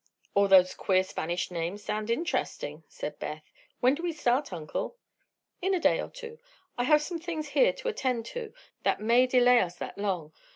"All those queer Spanish names sound interesting," said Beth. "When do we start, Uncle?" "In a day or two. I have some things here to attend to that may delay us that long.